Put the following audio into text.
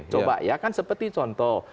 coba ya kan seperti contoh